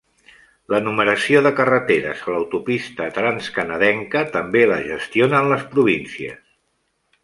La numeració de carreteres a l'autopista transcanadenca també la gestionen les províncies.